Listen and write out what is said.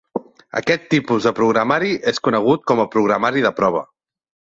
Aquest tipus de programari és conegut com a programari de prova.